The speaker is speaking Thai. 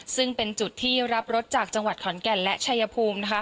ซึ่งเป็นจุดที่รับรถจากจังหวัดขอนแก่นและชายภูมิ